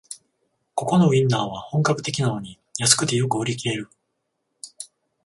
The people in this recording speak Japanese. ここのウインナーは本格的なのに安くてよく売り切れる